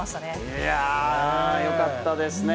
いやー、よかったですね。